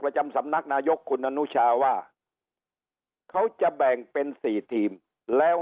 ประจำสำนักนายกคุณอนุชาว่าเขาจะแบ่งเป็น๔ทีมแล้ว